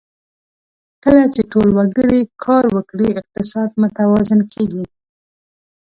کله چې ټول وګړي کار وکړي، اقتصاد متوازن کېږي.